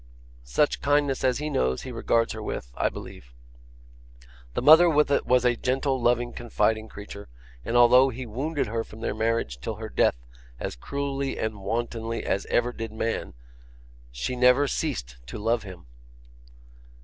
'Such kindness as he knows, he regards her with, I believe. The mother was a gentle, loving, confiding creature, and although he wounded her from their marriage till her death as cruelly and wantonly as ever man did, she never ceased to love him.